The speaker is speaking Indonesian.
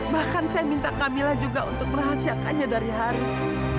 bahkan saya minta kamila juga untuk merahasiakannya dari haris